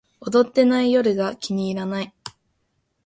踊ってない夜が気に入らない